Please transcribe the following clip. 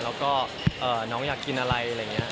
แล้วก็น้องอยากกินอะไรอะไรอย่างนี้